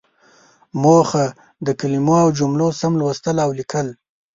موخه: د کلمو او جملو سم لوستل او ليکل.